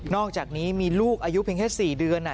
อกจากนี้มีลูกอายุเพียงแค่๔เดือน